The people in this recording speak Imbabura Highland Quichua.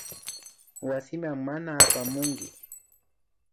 Wasiman mana apamukmi